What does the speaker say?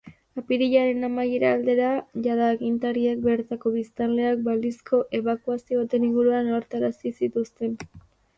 Apirilaren amaiera aldera jada agintariek bertako biztanleak balizko ebakuazio baten inguruan ohartarazi zituzten.